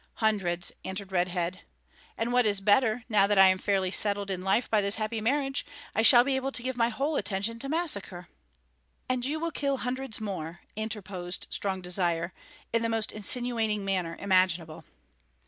"Hundreds," answered Red Head, "and what is better, now that I am fairly settled in life by this happy marriage, I shall be able to give my whole attention to massacre." "And you will kill hundreds more," interposed Strong Desire, in the most insinuating manner imaginable.